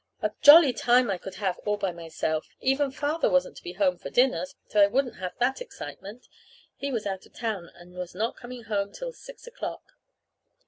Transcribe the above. A jolly time I could have all by myself! Even Father wasn't to be home for dinner, so I wouldn't have that excitement. He was out of town, and was not to come home till six o'clock.